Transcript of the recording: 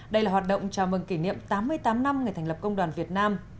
đây là hoạt động chào mừng kỷ niệm tám mươi tám năm ngày thành lập công đoàn việt nam